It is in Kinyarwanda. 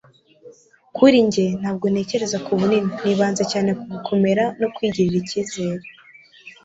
kuri njye, ntabwo ntekereza ku bunini - nibanze cyane ku gukomera no kwigirira icyizere